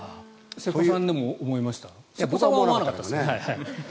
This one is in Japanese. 瀬古さんは思わないですよね。